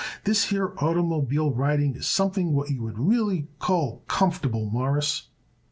This here oitermobile riding is something what you would call really comfortable, Mawruss."